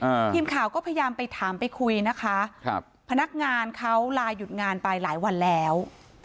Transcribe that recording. อ่าทีมข่าวก็พยายามไปถามไปคุยนะคะครับพนักงานเขาลาหยุดงานไปหลายวันแล้ว